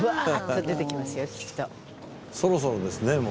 そろそろですね？